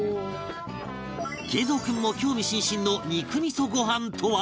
敬蔵君も興味津々の肉味噌ご飯とは？